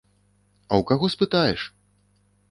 А ў каго спытаеш?